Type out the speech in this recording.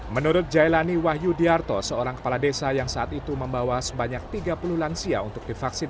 menurut jailani wahyu diarto seorang kepala desa yang saat itu membawa sebanyak tiga puluh lansia untuk divaksin